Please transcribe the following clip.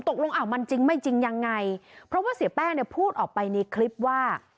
ตกลงอ้าวมันจริงไม่จริงยังไงเพราะว่าเสียแป้งเนี่ยพูดออกไปในคลิปว่า